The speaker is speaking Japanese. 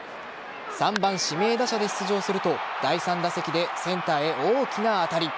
３番・指名打者で出場すると第３打席でセンターへ大きな当たり。